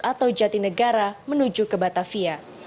atau jati negara menuju ke batavia